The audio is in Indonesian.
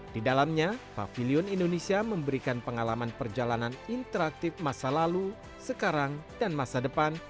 di dalamnya pavilion indonesia memberikan pengalaman perjalanan interaktif masa lalu sekarang dan masa depan